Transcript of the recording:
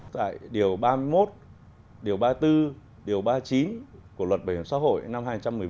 tại điều ba mươi một điều ba mươi bốn điều ba mươi chín của luật bảo hiểm xã hội năm hai nghìn một mươi bốn